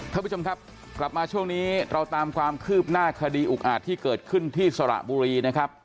ท่านผู้ชมครับกลับมาช่วงนี้เราตามความคืบหน้าคดีอุกอาจที่เกิดขึ้นที่สระบุรีนะครับ